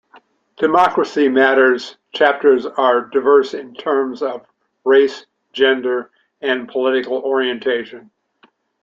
Democracy Matters chapters are diverse in terms of race, gender, and political orientation.